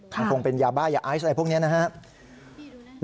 มันคงเป็นยาบ้ายาไอซ์อะไรพวกนี้นะครับ